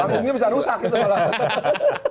panggungnya bisa rusak gitu malah